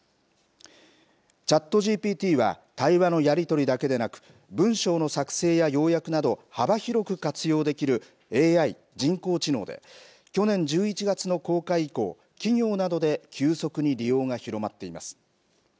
ＣｈａｔＧＰＴは対話のやり取りだけでなく文章の作成や要約など幅広く活用できるＡＩ人工知能で去年１１月の公開以降企業などで急速に利用が広まっています。